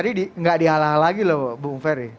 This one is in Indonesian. tapi pk tadi tidak dihalang halangi lho bung ferry